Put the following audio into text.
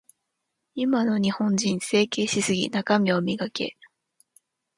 今の日本人、整形しすぎ。中身を磨け。